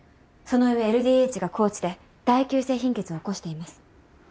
その上ＬＤＨが高値で大球性貧血を起こしています。